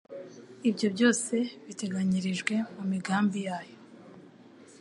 Ibyo byose, biteganyirijwe mu migambi yayo,